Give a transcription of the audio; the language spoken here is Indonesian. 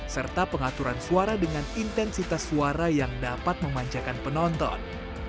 serta pengaturan suara dengan intensitas suara yang dapat memanjakan penonton